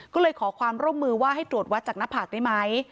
ก็เลยขอความร่วมมือว่าให้ตรวจวัดจากหน้าผากได้ไหม